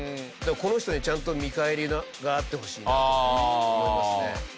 でもこの人にちゃんと見返りがあってほしいなと思いますね。